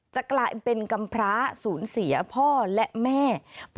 จะกลายเป็นกำพร้าสูญเสียพ่อและแม่